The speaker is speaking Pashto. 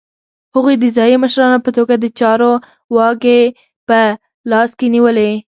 هغوی د ځايي مشرانو په توګه د چارو واګې په لاس کې نیولې.